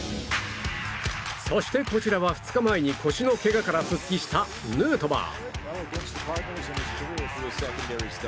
そして、こちらは２日前に腰のけがから復帰したヌートバー。